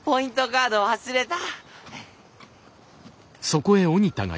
カード忘れた。